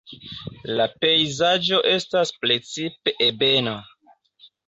La pejzaĝo estas precipe ebena.